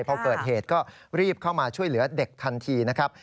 พอเกิดเหตุก็รีบเข้ามาช่วยเหลือเด็กทันทีนะครับ